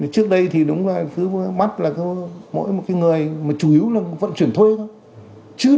trước đây thì đúng là cứ mắt là có mỗi một người mà chủ yếu là vận chuyển thuê thôi